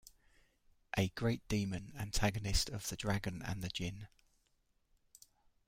A 'Great Demon', antagonist of "The Dragon and the Djinn".